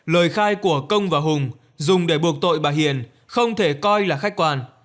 lời khai của công và hùng dùng để buộc tội bà hiền không thể coi là khách quan